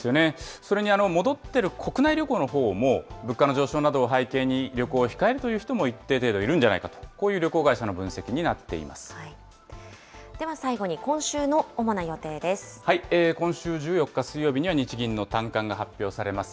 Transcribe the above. それに戻ってる国内旅行のほうも、物価の上昇などを背景に、旅行を控えるという人も一定程度いるんじゃないかと、こういう旅では最後に今週の主な予定で今週１４日水曜日には、日銀の短観が発表されます。